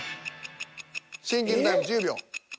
シンキングタイム１０秒。